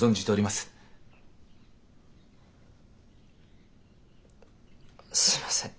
すいません。